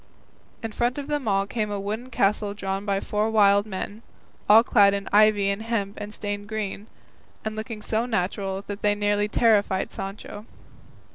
In front of them all came a wooden castle drawn by four wild men, all clad in ivy and hemp stained green, and looking so natural that they nearly terrified Sancho.